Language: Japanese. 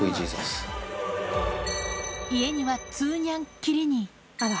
家にはツーニャンきりに。